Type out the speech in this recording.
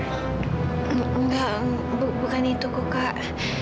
enggak bukan itu kukak